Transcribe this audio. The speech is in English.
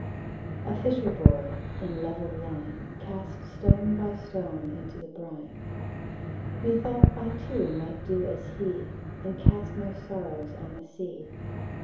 A fisher boy, in level line, Cast stone by stone into the brine: Methought I too might do as he, And cast my sorrows on the sea.